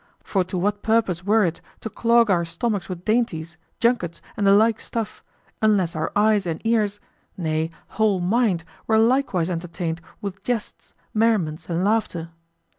For to what purpose were it to clog our stomachs with dainties, junkets, and the like stuff, unless our eyes and ears, nay whole mind, were likewise entertained with jests, merriments, and laughter?